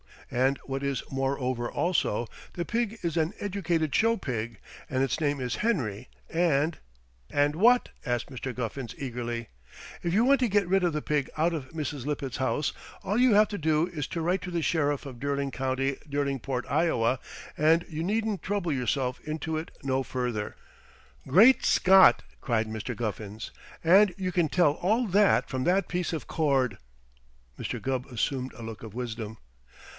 And what is moreover also, the pig is an educated show pig, and its name is Henry, and " "And what?" asked Mr. Guffins eagerly. "If you want to get rid of the pig out of Mrs. Lippett's house, all you have to do is to write to the Sheriff of Derling County, Derlingport, Iowa, and you needn't trouble yourself into it no further." "Great Scott!" cried Mr. Guffins. "And you can tell all that from that piece of cord!" Mr. Gubb assumed a look of wisdom.